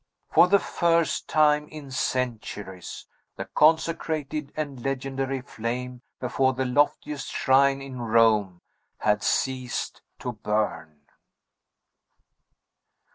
For the first time in centuries, the consecrated and legendary flame before the loftiest shrine in Rome had ceased to burn.